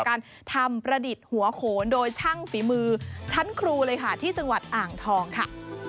การทำประดิษฐ์หัวโขนโดยช่างฝีมือชั้นครูเลยค่ะที่จังหวัดอ่างทองค่ะ